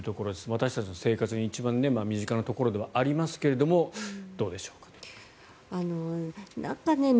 私たちの生活に一番身近なところではありますがどうでしょうかという。